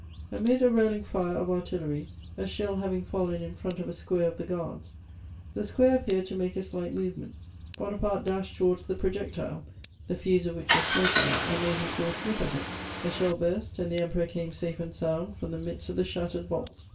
Amid a rolling fire of artillery, a shell having fallen in front of a square of the guards, the square appeared to make a slight movement: Bonaparte dashed towards the projectile, the fuse of which was smoking, and made his horse sniff at it; the shell burst, and the Emperor came safe and sound from the midst of the shattered bolt.